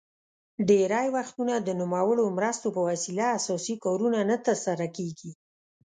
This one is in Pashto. ډیری وختونه د نوموړو مرستو په وسیله اساسي کارونه نه تر سره کیږي.